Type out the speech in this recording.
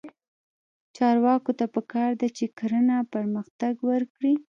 چارواکو ته پکار ده چې، کرنه پرمختګ ورکړي.